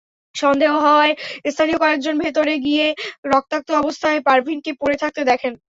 সন্দেহ হওয়ায় স্থানীয় কয়েকজন ভেতরে গিয়ে রক্তাক্ত অবস্থায় পারভিনকে পড়ে থাকতে দেখেন।